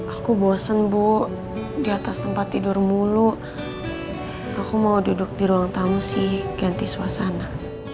aku bosen bu di atas tempat tidur mulu aku mau duduk di ruang tamu sih ganti suasana